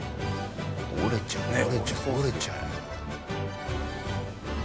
折れちゃう折れちゃう。